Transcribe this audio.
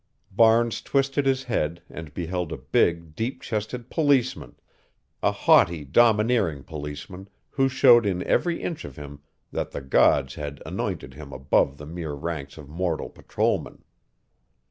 Barnes twisted his head and beheld a big, deep chested policeman a haughty domineering policeman who showed in every inch of him that the gods had anointed him above the mere ranks of mortal patrolmen.